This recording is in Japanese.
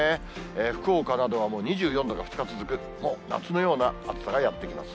福岡などはもう２４度が２日続く、もう夏のような暑さがやって来ます。